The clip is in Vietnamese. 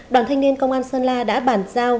đoàn thanh niên công an sơn la đã bàn giao